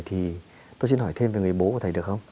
thì tôi xin hỏi thêm về người bố của thầy được không